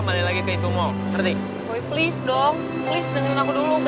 saya giesya temannya